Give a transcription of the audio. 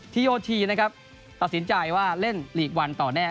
โยธีนะครับตัดสินใจว่าเล่นหลีกวันต่อแน่